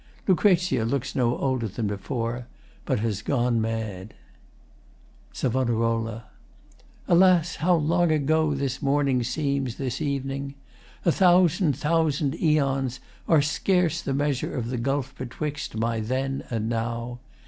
LUCREZIA looks no older than before, but has gone mad. SAV. Alas, how long ago this morning seems This evening! A thousand thousand eons Are scarce the measure of the gulf betwixt My then and now.